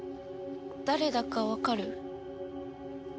誰だかわかる？